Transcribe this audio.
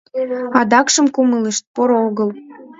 Адакшым кумылышт... поро огыл.